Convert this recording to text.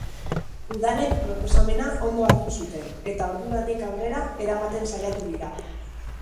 Udalek proposamena ondo hartu zuten, eta ordudanik aurrera eramaten saiatu dira.